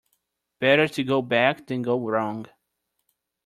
Better to go back than go wrong.